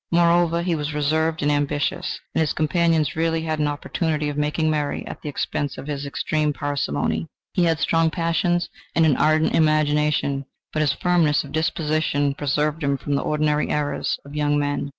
Moreover, he was reserved and ambitious, and his companions rarely had an opportunity of making merry at the expense of his extreme parsimony. He had strong passions and an ardent imagination, but his firmness of disposition preserved him from the ordinary errors of young men.